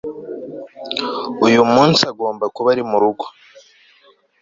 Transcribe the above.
uyu munsi agomba kuba ari murugo